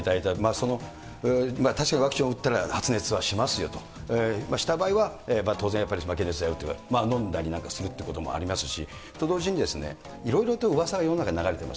その確かにワクチンを打ったら、発熱はしますよと、した場合は、当然やっぱり解熱剤を飲んだりなんかするっていうこともありますし、と同時に、いろいろとうわさが世の中に流れてます。